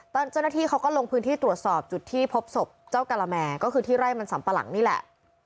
เจ้าหน้าที่เขาก็ลงพื้นที่ตรวจสอบจุดที่พบศพเจ้ากะละแมก็คือที่ไร่มันสัมปะหลังนี่แหละ